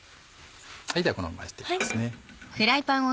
ではこのままやっていきますね。